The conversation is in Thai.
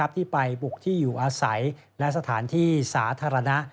ที่ไปบุกที่อยู่อาศัยและสถานที่สาธารณะ